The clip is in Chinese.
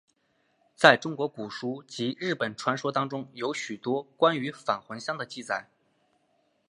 在中国古书及日本传说当中有许多关于返魂香的记载。